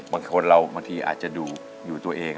บางคนเราบางทีอาจจะดูอยู่ตัวเอง